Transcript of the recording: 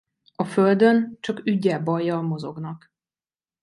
A földön csak üggyel-bajjal mozognak.